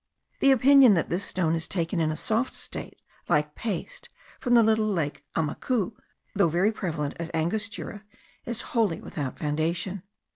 The opinion that this stone is taken in a soft state like paste from the little lake Amucu, though very prevalent at Angostura, is wholly without foundation.